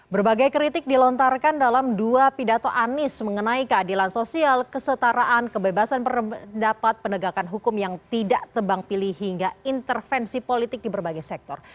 berbagai kritik dilontarkan dalam dua pidato anies mengenai keadilan sosial kesetaraan kebebasan pendapat penegakan hukum yang tidak tebang pilih hingga intervensi politik di berbagai sektor